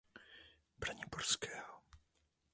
Braniborského.